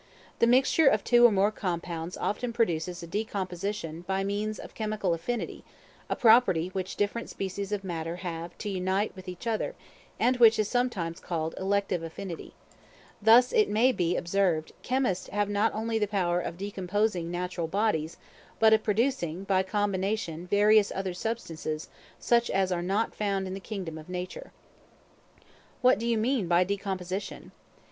The mixture of two or more compounds often produces a decomposition by means of chemical affinity, a property which different species of matter have to unite with each other; and which is sometimes called elective affinity. Thus it may be observed, chemists have not only the power of decomposing natural bodies, but of producing by combination various other substances, such as are not found in the kingdom of nature. What do you mean by decomposition?